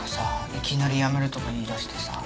いきなりやめるとか言いだしてさ。